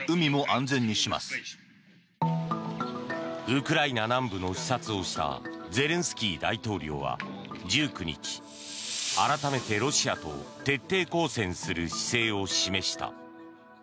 ウクライナ南部の視察をしたゼレンスキー大統領は１９日、改めてロシアと徹底抗戦する姿勢を示した。